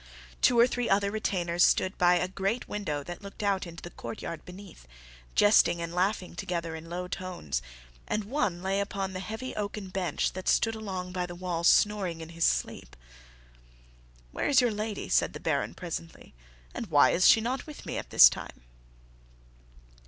Two or three other retainers stood by a great window that looked out into the courtyard beneath, jesting and laughing together in low tones, and one lay upon the heavy oaken bench that stood along by the wall snoring in his sleep. "Where is your lady?" said the Baron, presently; "and why is she not with me at this time?"